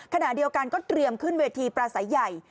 ขณะเดียวกันก็เตรียมขึ้นเวทีปราศัยใหญ่